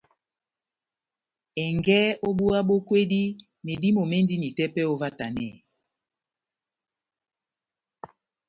Ɛngɛ ó búwa bó kwédi, medímo médini tepɛhɛ óvahtanɛ ?